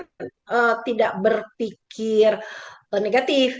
kalau tidak berpikir negatif